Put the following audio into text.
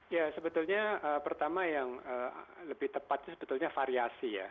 ya sebetulnya pertama yang lebih tepatnya sebetulnya variasi ya